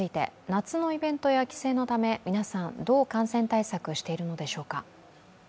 夏のイベントや帰省のため皆さん、どう感染対策しているのでしょうか。